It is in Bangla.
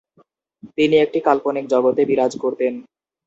তিনি একটি কাল্পনিক জগতে বিরাজ করতেন।